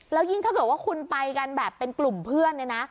แล้วยิ่งถ้าเกิดว่าคุณไปกันแบบเป็นกลุ่มเพื่อนเนี่ยนะ